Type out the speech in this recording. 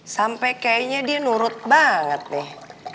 sampai kayaknya dia nurut banget nih